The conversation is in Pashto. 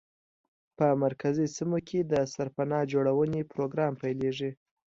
په مرکزي سیمو کې د سرپناه جوړونې پروګرام پیلېږي.